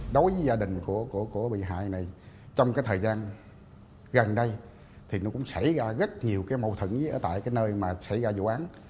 đối với gia đình của bị hại này trong cái thời gian gần đây thì nó cũng xảy ra rất nhiều cái mâu thửng ở tại cái nơi mà xảy ra vụ án